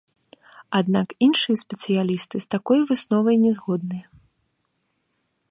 Аднак іншыя спецыялісты з такой высновай ня згодныя.